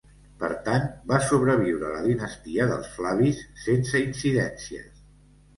Per tant va sobreviure la dinastia dels Flavis sense incidències.